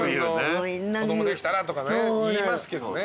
子供できたらとかね言いますけどね